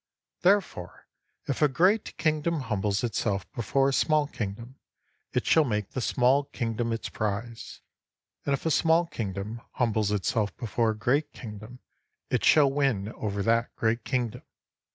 Therefore, if a great kingdom humbles itself before a small kingdom, it shall make that small kingdom its prize. And if a small kingdom humbles itself before a great kingdom, it shall win 34 over that great kingdom.